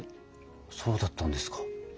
そうだったんですか。